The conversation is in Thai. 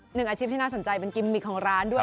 อาชีพที่น่าสนใจเป็นกิมมิกของร้านด้วย